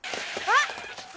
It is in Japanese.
あっ！